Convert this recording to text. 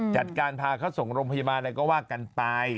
จัดการพาเขาส่งโรงพยาบาลอะไรก็ว่ากันไป